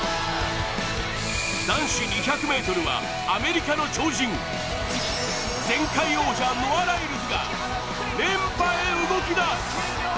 男子２００ｍは、アメリカの超人前回王者ノア・ライルズが連覇へ動きだす。